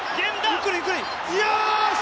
ゆっくりゆっくり！よーし！